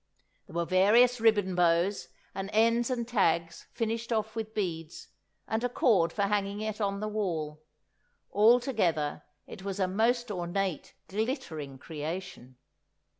There were various ribbon bows, and ends and tags finished off with beads, and a cord for hanging it on the wall; altogether, it was a most ornate, glittering creation!